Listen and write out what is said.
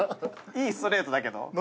いいストレートだけど。